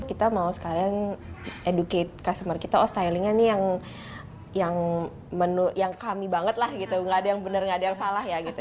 kita mau sekalian educate customer kita oh stylingnya nih yang kami banget lah gitu gak ada yang bener gak ada yang salah ya gitu